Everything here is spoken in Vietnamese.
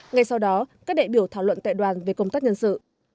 ngay sau đó các đại biểu thảo luận tại đoàn về công tác nhân sự